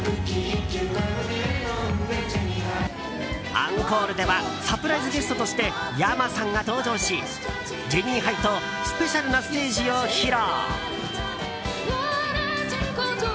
アンコールではサプライズゲストとしてｙａｍａさんが登場しジェニーハイとスペシャルなステージを披露。